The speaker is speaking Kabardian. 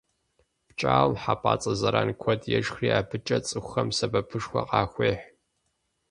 ПкӀауэм хьэпӀацӀэ зэран куэд ешхри абыкӀэ цӀыхухэм сэбэпышхуэ къахуехь.